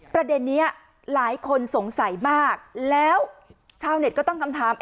ประเด็นนี้หลายคนสงสัยมากแล้วชาวเน็ตก็ตั้งคำถาม